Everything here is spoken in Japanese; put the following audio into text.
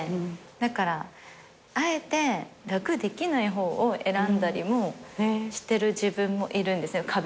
だからあえて楽できない方を選んだりもしてる自分もいるんですね。